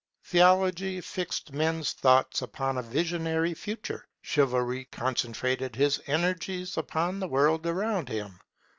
Theology fixed men's thoughts upon a visionary future; Chivalry concentrated his energies upon the world around him.